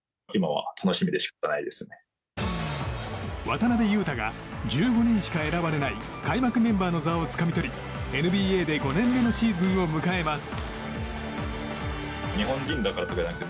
渡邊雄太が１５人しか選ばれない開幕メンバーの座をつかみ取りＮＢＡで５年目のシーズンを迎えます。